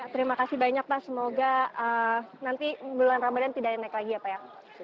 terima kasih banyak pak semoga nanti bulan ramadhan tidak naik lagi ya pak ya